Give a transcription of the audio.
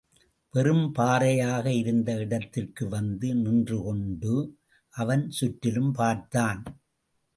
வெறும் பாறையாக இருந்த இடத்திற்கு வந்து நின்றுகொண்டு, அவன் சுற்றிலும் பார்த்தான்.